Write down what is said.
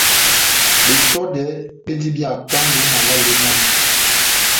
Betɔdɛ bendi bia hapuango ó malale ó mánga.